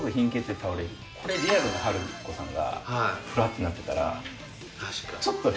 これリアルな晴子さんがフラッてなってたらちょっとね。